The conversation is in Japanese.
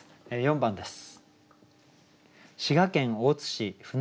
４番です。